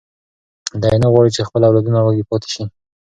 دی نه غواړي چې خپل اولادونه وږي پاتې شي.